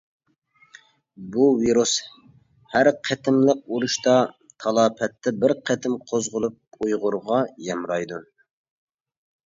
بۇ ۋىرۇس ھەر قېتىملىق ئۇرۇشتا، تالاپەتتە بىر قېتىم قوزغىلىپ ئۇيغۇرغا يامرايدۇ.